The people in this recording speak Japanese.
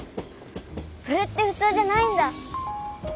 それってふつうじゃないんだ！